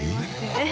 えっ！